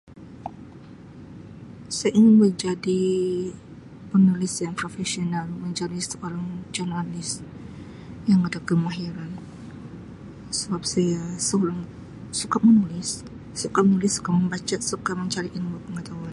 "Saya ingin mau jadi penulis yang profesional, menjadi seorang ""journalist"" yang berkemahiran sebab saya seorang suka menulis, suka membaca, suka mencari ilmu pengetahuan. "